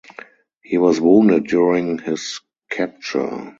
He was wounded during his capture.